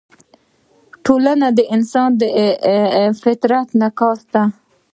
ټولنه د انسان د فطرت انعکاس ده.